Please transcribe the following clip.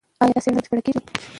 ایا دا څېړنه بشپړېږي؟